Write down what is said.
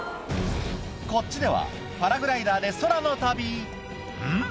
こっちではパラグライダーで空の旅うん？